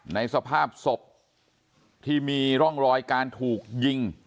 ในสภาพศพที่มีร่องรอยการถูกยิง